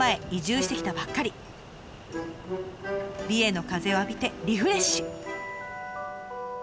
美瑛の風を浴びてリフレッシュ。